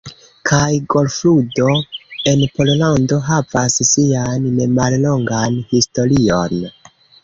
Kaj golfludo en Pollando havas sian nemallongan historion.